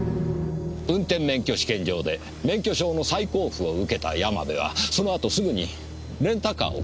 運転免許試験場で免許証の再交付を受けた山部はそのあとすぐにレンタカーを借りています。